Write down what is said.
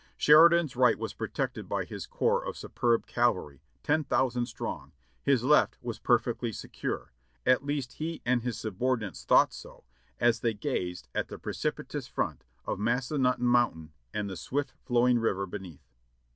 Sheridan's right was protected by his corps of superb cavalry, ten thousand strong; his left was perfectly secure, at least he and his subordinates thought so as they gazed at the precipitous front of IMassanutten ^Mountain and the swift flowing river beneath.